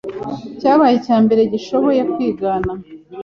cyabaye icya mbere gishoboye kwigana